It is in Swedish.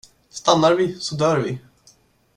Stannar vi så dör vi.